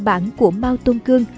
bản của mao tôn cương